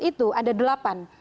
itu ada delapan